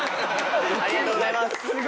ありがとうございます。